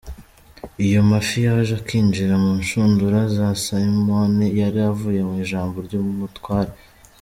Ayo mafi yaje akinjira mu nshundura za Simoni yari avuye mu ijambo ry’Umutware.